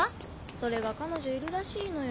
それが彼女いるらしいのよ。